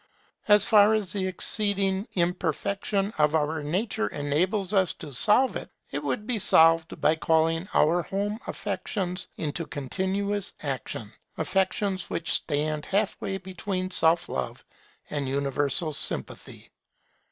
As far as the exceeding imperfection of our nature enables us to solve it, it would be solved by calling our home affections into continuous action; affections which stand half way between self love and universal sympathy.